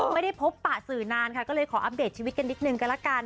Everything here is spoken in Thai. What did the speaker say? ไม่ได้พบปะสื่อนานค่ะก็เลยขออัปเดตชีวิตกันนิดนึงก็ละกัน